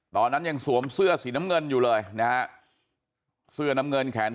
ตอนนั้นยังสวมเสื้อสีน้ำเงินอยู่เลยนะฮะเสื้อน้ำเงินแขน